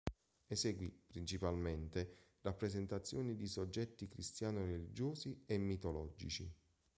Eseguì principalmente rappresentazioni di soggetti cristiano-religiosi e mitologici.